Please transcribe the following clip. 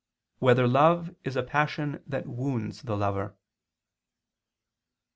5] Whether Love Is a Passion That Wounds the Lover?